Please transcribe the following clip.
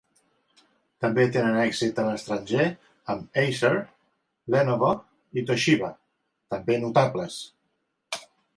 També tenen èxit a l'estranger, amb Acer, Lenovo i Toshiba també notables.